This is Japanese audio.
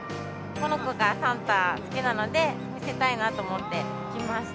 この子がサンタ好きなので、見せたいなと思って来ました。